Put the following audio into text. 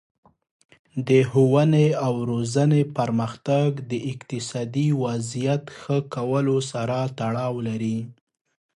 د ښوونې او روزنې پرمختګ د اقتصادي وضعیت ښه کولو سره تړاو لري.